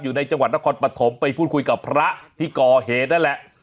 อยู่ในจังหวัดนครปฐมไปพูดคุยกับพระที่ก่อเหตุนั่นแหละ